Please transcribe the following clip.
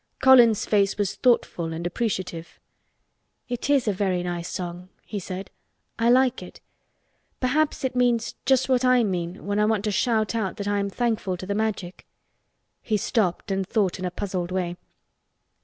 Colin's face was thoughtful and appreciative. "It is a very nice song," he said. "I like it. Perhaps it means just what I mean when I want to shout out that I am thankful to the Magic." He stopped and thought in a puzzled way.